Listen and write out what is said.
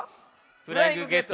「フライングゲット」。